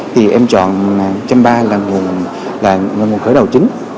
thì em chọn chăm ba là nguồn khởi đầu chính